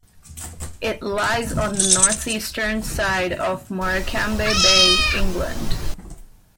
It lies on the North-Eastern side of Morecambe Bay, England.